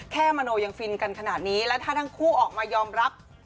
มโนยังฟินกันขนาดนี้และถ้าทั้งคู่ออกมายอมรับ